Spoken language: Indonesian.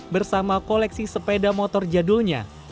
bersama koleksi sepeda motor jadulnya